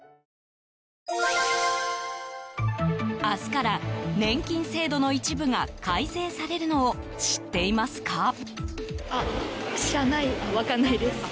明日から年金制度の一部が改正されるのを知っていますか？